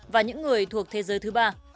và những người thuộc thế giới thứ ba